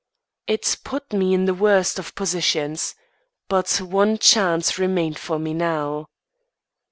It put me in the worst of positions. But one chance remained for me now.